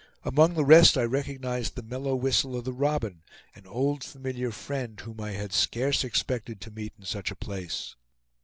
Among the rest I recognized the mellow whistle of the robin, an old familiar friend whom I had scarce expected to meet in such a place.